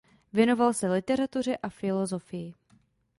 Věnoval se literatuře a filozofii.